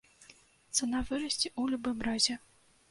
Цана вырасце ў любым разе.